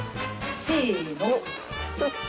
せの。